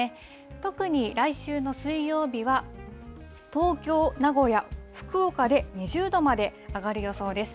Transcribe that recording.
特に来週の水曜日は、東京、名古屋、福岡で、２０度まで上がる予想です。